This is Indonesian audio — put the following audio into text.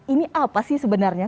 ini apa sih sebenarnya